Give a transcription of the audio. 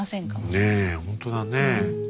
ねえほんとだねえ。